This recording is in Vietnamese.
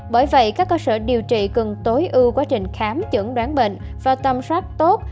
bởi vậy các cơ sở điều trị cần tối ưu quá trình khám chẩn đoán bệnh và tâm soát tốt